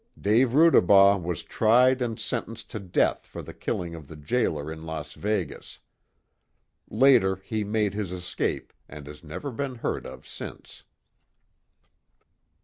Dave Rudebaugh was tried and sentenced to death for the killing of the jailer in Las Vegas. Later he made his escape and has never been heard of since.